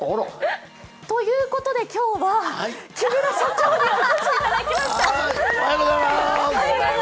ということで、今日は木村社長にお越しいただきました。